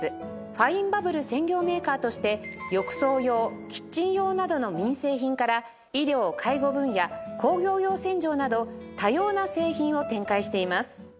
ファインバブル専業メーカーとして浴槽用キッチン用などの民生品から医療・介護分野・工業用洗浄など多様な製品を展開しています